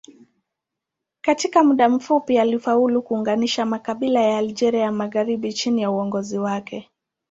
Katika muda mfupi alifaulu kuunganisha makabila ya Algeria ya magharibi chini ya uongozi wake.